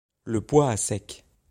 Le poids à sec.